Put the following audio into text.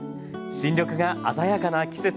新緑が鮮やかな季節。